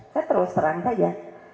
saya terus terang saja